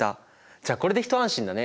じゃあこれで一安心だね。